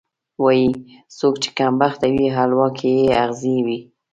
وایي: څوک چې کمبخته وي، حلوا کې یې ازغی وي.